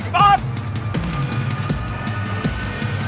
บอส